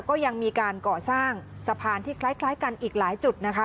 ก็ยังมีการก่อสร้างสะพานที่คล้ายกันอีกหลายจุดนะคะ